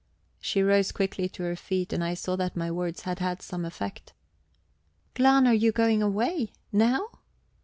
She rose quickly to her feet, and I saw that my words had had some effect. "Glahn, are you going away? Now?"